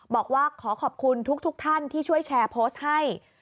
บอกว่าขอขอบคุณทุกท่านที่ช่วยแชร์โพสต์ให้